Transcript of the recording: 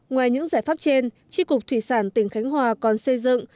ngoài những giải pháp trên tri cục thủy sản tỉnh khánh hòa còn xây dựng